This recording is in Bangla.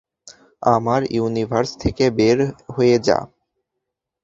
আমার ইউনিভার্স থেকে বের হয়ে যা!